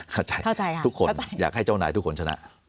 เข้าใจค่ะทุกคนอยากให้เจ้านายทุกคนชนะ